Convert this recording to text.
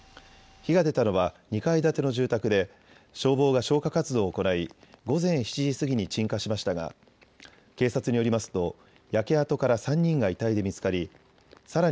火が出たのは２階建ての住宅で消防が消火活動を行い午前７時過ぎに鎮火しましたが警察によりますと焼け跡から３人が遺体で見つかりさらに